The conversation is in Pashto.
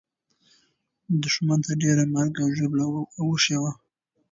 دښمن ته ډېره مرګ او ژوبله اوښتې وه.